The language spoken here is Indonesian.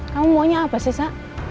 kamu maunya apa sih sa